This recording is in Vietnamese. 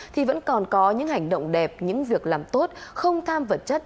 thì vẫn còn có những hành động đẹp những việc làm tốt không tham vật chất